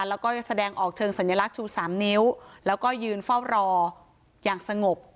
แล้วก็แสดงออกเชิงสัญลักษณ์ชู๓นิ้วแล้วก็ยืนเฝ้ารออย่างสงบ